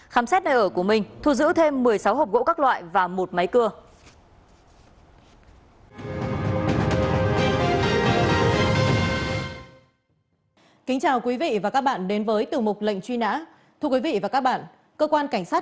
khám xét nơi ở của minh thu giữ thêm một mươi sáu hộp gỗ các loại và một máy cưa